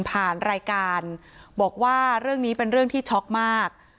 ผ่านรายการบอกว่าเรื่องนี้เป็นเรื่องที่ช็อกมาก